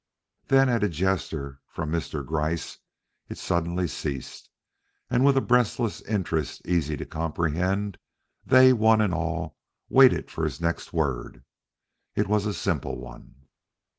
Then, at a gesture from Mr. Gryce, it suddenly ceased, and with a breathless interest easy to comprehend, they one and all waited for his next word. It was a simple one.